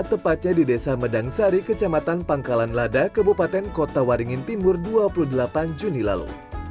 tepatnya di desa medangsari kecamatan pangkalan lada kebupaten kota waringin timur dua puluh delapan juni lalu